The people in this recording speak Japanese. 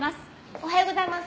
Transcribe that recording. おはようございます。